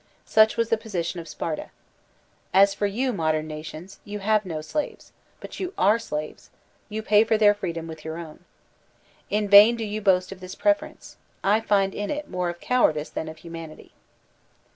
Such was the position of Sparta. As for you, modem nations, you have no slaves, but you are slaves; you pay for their feedom with your own. In vain do you boast of this preference; I find in it more of cowardice than of humanity.